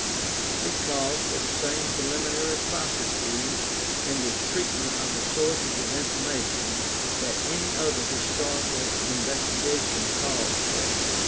It calls for the same preliminary processes in the treatment of the sources of information that any other historical investi gation calls for (see pp.